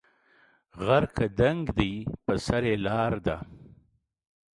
غر که دنګ دی په سر یې لار ده